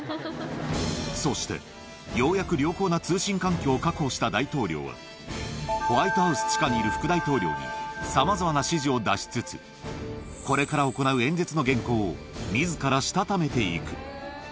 そして、ようやく良好な通信環境を確保した大統領は、ホワイトハウス地下にいる副大統領に、さまざまな指示を出しつつ、これから行う演説の原稿を、みずからしたためていく。